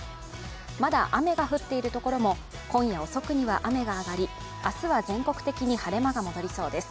まだ雨が降っているところも、今夜遅くには雨が上がり、明日は全国的に晴れ間が戻りそうです。